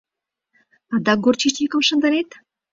— Адак горчичникым шындынет?